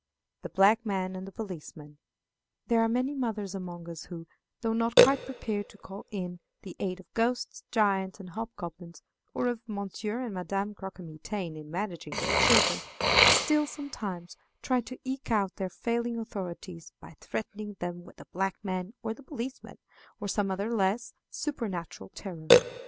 The Black Man and the Policeman. There are many mothers among us who though not quite prepared to call in the aid of ghosts, giants, and hobgoblins, or of Monsieur and Madame Croquemitaine, in managing their children still, sometimes, try to eke out their failing authority by threatening them with the "black man," or the "policeman," or some other less, supernatural terror.